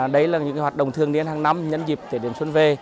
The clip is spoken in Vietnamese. đấy là những hoạt động thường niên hàng năm nhân dịp thể điểm xuân về